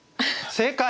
正解！